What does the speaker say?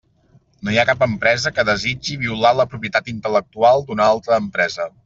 No hi ha cap empresa que desitgi violar la propietat intel·lectual d'una altra empresa.